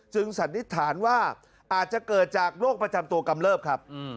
สันนิษฐานว่าอาจจะเกิดจากโรคประจำตัวกำเลิบครับ